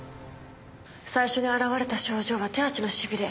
最初に現れた症状は手足のしびれ。